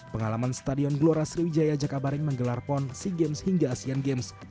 pengalaman stadion glora sriwijaya jakabaring menggelar pon sea games hingga asean games